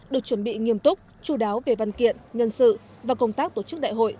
được chuẩn bị nghiêm túc chú đáo về văn kiện nhân sự và công tác tổ chức đại hội